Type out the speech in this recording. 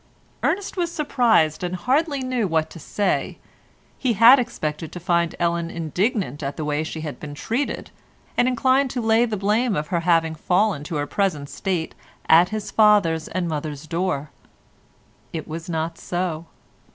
Ernest was surprised and hardly knew what to say. He had expected to find Ellen indignant at the way she had been treated, and inclined to lay the blame of her having fallen to her present state at his father's and mother's door. It was not so.